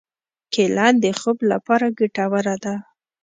کېله د خوب لپاره ګټوره ده.